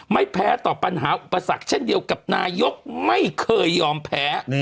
ไม่แพ้ต่อปัญหาอุปสรรคเช่นเดียวกับนายกไม่เคยยอมแพ้